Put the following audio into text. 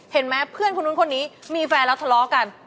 เห็นไหมเพื่อนคนนู้นคนนี้มีแฟนแล้วทะเลาะกัน